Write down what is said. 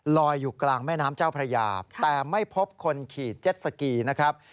ลอยอยู่กลางแม่น้ำเจ้าพระยาแต่ไม่พบคนขี่เจ็ดสกีนะครับ